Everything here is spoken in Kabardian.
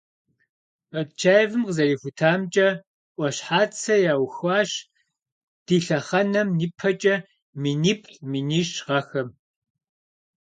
Батчаевым къызэрихутамкӀэ, Ӏуащхьацэ яухуащ ди лъэхъэнэм ипэкӀэ миниплӏ - минищ гъэхэм.